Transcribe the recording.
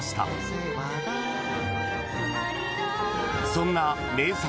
［そんな名作